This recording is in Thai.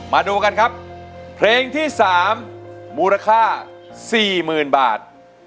มาดูกันครับเพลงที่สามมูลค่าสี่หมื่นบาท